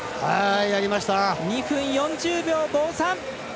２分４０秒５３！